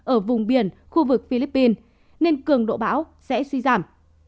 ở vùng biển khu vực philippines nên cường độ bão sẽ suy giảm